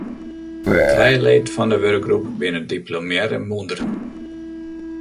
Trije leden fan de wurkgroep binne diplomearre mûnder.